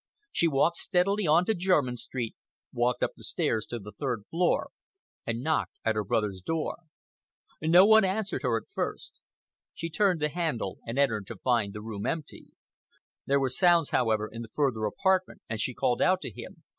She walked steadily on to Jermyn Street, walked up the stairs to the third floor, and knocked at her brother's door. No one answered her at first. She turned the handle and entered to find the room empty. There were sounds, however, in the further apartment, and she called out to him.